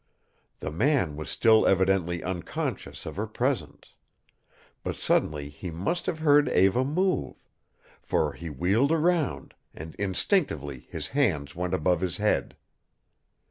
The man was still evidently unconscious of her presence. But suddenly he must have heard Eva move. For he wheeled around, and instinctively his hands went above his head.